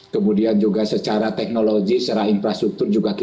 kemudian juga secara teknologi secara infrastruktur juga kita